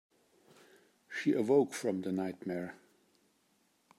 She awoke from the nightmare.